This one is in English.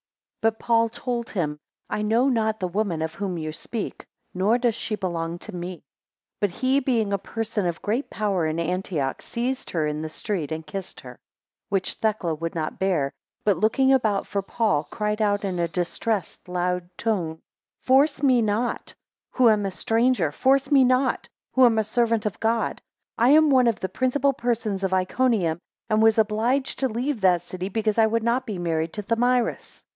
3 But Paul told him, I know not the woman of whom you speak, nor does she belong to me. 4 But he being a person of great power in, Antioch, seized her in the street and kissed her: which Thecla would not bear, but looking about for Paul, cried out in a distressed loud tone, Force me not, who am a stranger; force me not, who am a servant of God; I am one of the principal persons of Iconium, and was obliged to leave that city because I would not be married to Thamyris.